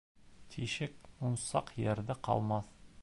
Тишек мунсаҡ ерҙә ҡалмаҫ